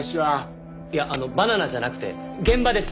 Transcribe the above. いやあのバナナじゃなくて現場です。